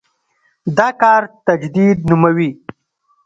دا کار تجدید نوموي.